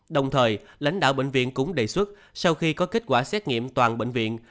đồng thời lãnh đạo bệnh viện cũng đề xuất sau khi có kết quả xét nghiệm toàn bệnh viện